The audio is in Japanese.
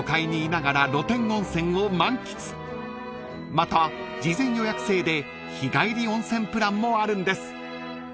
［また事前予約制で日帰り温泉プランもあるんです］